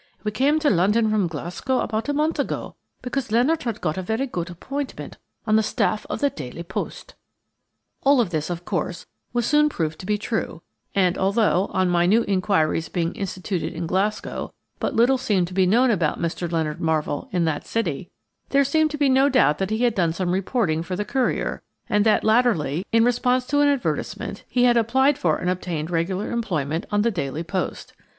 We came to London from Glasgow about a month ago, because Leonard got a very good appointment on the staff of the 'Daily Post.'" All this, of course, was soon proved to be true; and although, on minute inquiries being instituted in Glasgow, but little seemed to be known about Mr. Leonard Marvell in that city, there seemed no doubt that he had done some reporting for the "Courier," and that latterly, in response to an advertisement, he had applied for and obtained regular employment on the "Daily Post."